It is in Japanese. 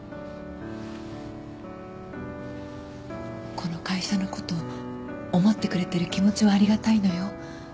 この会社のこと思ってくれてる気持ちはありがたいのよ。